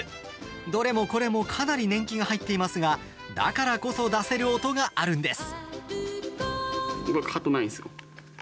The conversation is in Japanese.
どれもこれもかなり年季が入っていますがだからこそ出せる音があるんです。